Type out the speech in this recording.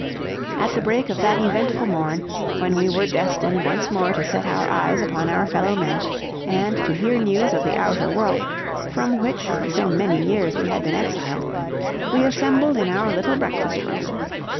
At the break of that eventful morn, when we were destined once more to set our eyes upon our fellow men, and to hear news of the outer world, from which for so many years we had been exiled, we assembled in our little breakfast room.